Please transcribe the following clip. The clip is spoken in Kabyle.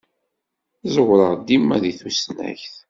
Ẓewreɣ dima deg tusnakt.